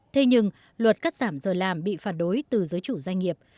thế nhưng luật cắt giảm giờ làm bị phản đối từ giới chủ doanh nghiệp